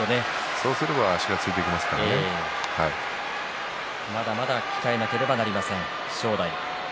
そうすればまだまだ鍛えなければなりません正代。